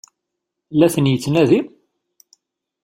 La ten-yettnadi?